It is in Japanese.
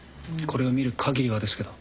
これを見るかぎりはですけど。